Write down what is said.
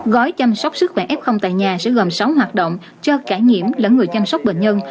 gói chăm sóc sức khỏe f tại nhà sẽ gồm sáu hoạt động cho cả nhiễm lẫn người chăm sóc bệnh nhân